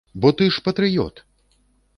Бо ты ж патрыёт!